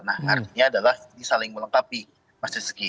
nah artinya adalah disaling melengkapi mas rizky